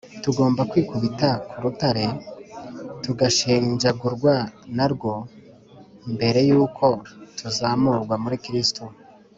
Tugomba kwikubita ku Rutare tugashenjagurwa na rwo mbere y’uko tuzamurwa muri Kristo